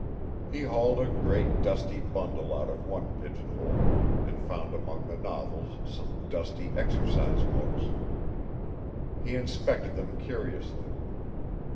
He hauled a great dusty bundle out of one pigeonhole, and found among the novels some dusty exercise books. He inspected them curiously.